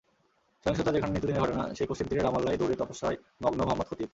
সহিংসতা যেখানে নিত্যদিনের ঘটনা, সেই পশ্চিম তীরের রামাল্লায় দৌড়ের তপস্যায় মগ্ন মোহাম্মদ খতিব।